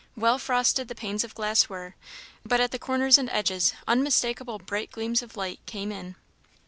Well frosted the panes of glass were, but at the corners and edges, unmistakeable bright gleams of light came in.